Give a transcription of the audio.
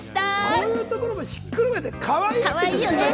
こういうところもひっくるめてかわいいですよね。